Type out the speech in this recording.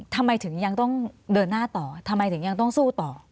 ทำไมถึงยังต้องเดินหน้าต่อทำไมถึงยังต้องสู้ต่อ